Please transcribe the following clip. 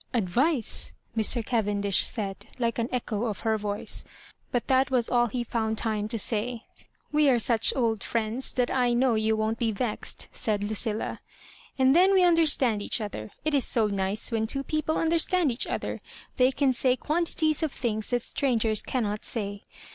" Advice f " Mr. Cavendish said, like an echo of her voice ; but that was all he found time to say. *'We are such old fiiends, thnt I know you won't be vexed," said Lucilla; ''and then we understand each other. It is so nice when two people understand each other; they can say quantities of things that strangers cannot say.